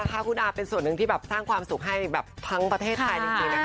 คุณอาค่ะคุณอาเป็นส่วนหนึ่งที่สร้างความสุขให้ทั้งประเทศไทย